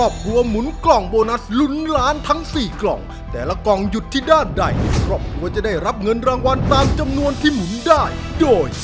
๑๗ประเที่ยวนับไปเลย